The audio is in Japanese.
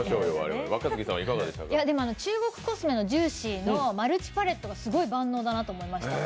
中国コスメのＪｏｏｃｙｅｅのマルチパレットがすごい万能だなと思いました。